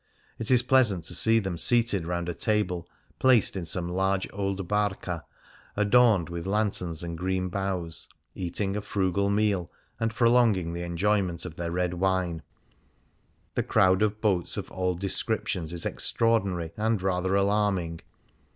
It is pleasant to see them seated round a table placed in some large old harca^ adorned with lanterns and green boughs, eating a frugal meal and prolonging the enjoyment of their red wine. The crowd of boats of all descriptions is extraordinary and rather alarming.